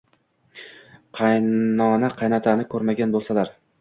Qaynona-qaynotani ko‘rmagan bo‘lsalar.